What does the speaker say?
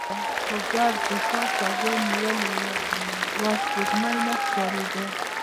خو ګرد د ښار فضا نیولې وه، سپوږمۍ نه ښکارېده.